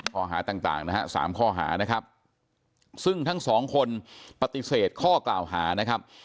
ข้อหาต่างนะฮะสามข้อหานะครับซึ่งทั้งสองคนปฏิเสธข้อกล่าวหานะครับ